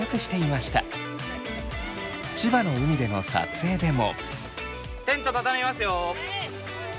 千葉の海での撮影でも。